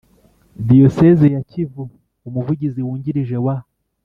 Diyoseze ya Kivu Umuvugizi wungirije wa